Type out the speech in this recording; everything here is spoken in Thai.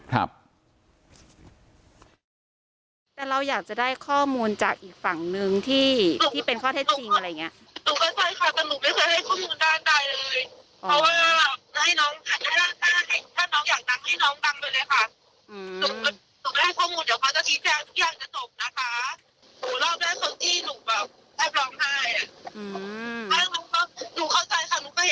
แต่เราอยากจะได้ข้อมูลจากอีกฝั่งนึงที่เป็นข้อเท็จจริงอะไรอย่างเงี้ย